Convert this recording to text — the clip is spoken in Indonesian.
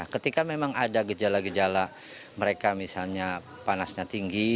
ketika memang ada gejala gejala mereka misalnya panasnya tinggi